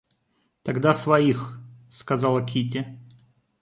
Тогда своих... — сказала Кити.